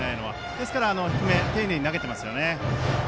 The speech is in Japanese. ですから、低めに丁寧に投げていますね。